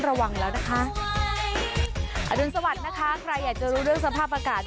ระวังแล้วนะคะอรุณสวัสดิ์นะคะใครอยากจะรู้เรื่องสภาพอากาศ